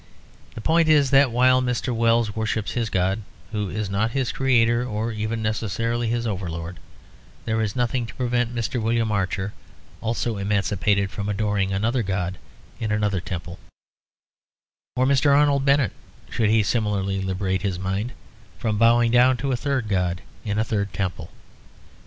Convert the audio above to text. The point is that while Mr. Wells worships his god (who is not his creator or even necessarily his overlord) there is nothing to prevent Mr. William Archer, also emancipated, from adoring another god in another temple; or Mr. Arnold Bennett, should he similarly liberate his mind, from bowing down to a third god in a third temple.